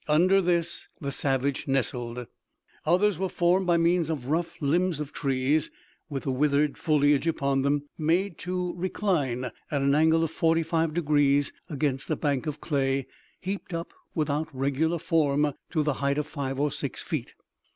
Under this the savage nestled. Others were formed by means of rough limbs of trees, with the withered foliage upon them, made to recline, at an angle of forty five degrees, against a bank of clay, heaped up, without regular form, to the height of five or six feet.